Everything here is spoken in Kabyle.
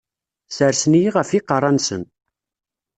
Sersen-iyi ɣef yiqerra-nsen.